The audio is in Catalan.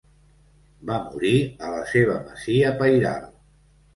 Va morir a la seva masia pairal.